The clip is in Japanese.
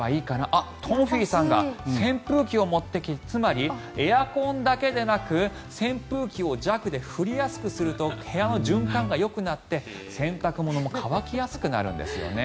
あ、東輝さんが扇風機を持ってきてつまり、エアコンだけでなく扇風機を弱で振りやすくすると部屋の循環がよくなって洗濯物も乾きやすくなるんですよね。